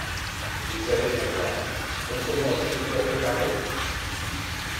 Ils allaient bien voir. Montre-moi ce que tu as préparé?